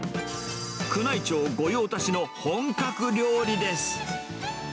宮内庁御用達の本格料理です。